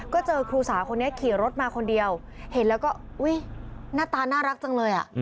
ก็เจอครูสาวคนนี้ขี่รถมาคนเดียวเห็นแล้วก็อุ๊ยหน้าตาน่ารักจังเลย